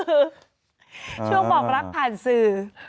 ช่วงบอกรักผ่านสื่อ